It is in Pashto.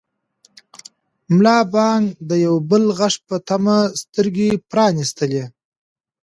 ملا بانګ د یو بل غږ په تمه سترګې پرانیستلې.